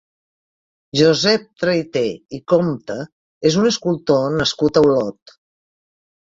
Josep Traité i Compte és un escultor nascut a Olot.